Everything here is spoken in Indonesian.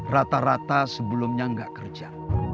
rata rata sebelumnya nggak kerja